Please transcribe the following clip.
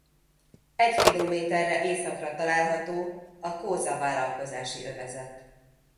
Egy kilométerre északra található a Kosa vállalkozási övezet.